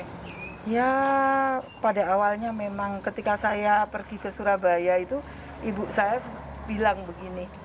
ya pada awalnya memang ketika saya pergi ke surabaya itu ibu saya bilang begini